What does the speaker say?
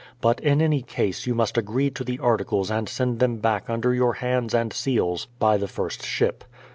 But in any case you must agree to the articles and send them back under your hands and seals by the first ship.